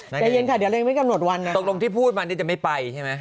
ใจเย็นค่ะเดี๋ยวเรายังไม่กำหนดวันนะตกลงที่พูดวันนี้จะไม่ไปใช่ไหม